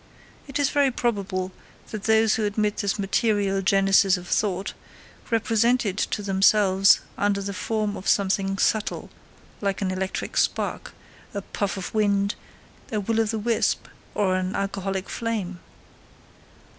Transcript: It is very probable that those who admit this material genesis of thought, represent it to themselves under the form of something subtle, like an electric spark, a puff of wind, a will of the wisp, or an alcoholic flame.